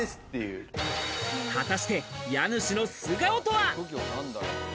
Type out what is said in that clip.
果たして家主の素顔とは？